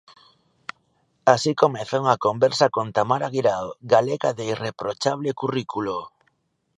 Así comeza unha conversa con Tamara Guirao, galega de irreprochable currículo.